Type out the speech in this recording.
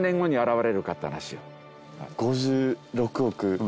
５６億。